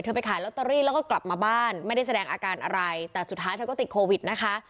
ไปขายลอตเตอรี่แล้วก็กลับมาบ้านไม่ได้แสดงอาการอะไรแต่สุดท้ายเธอก็ติดโควิดนะคะ